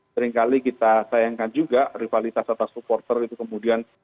seringkali kita sayangkan juga rivalitas atas supporter itu kemudian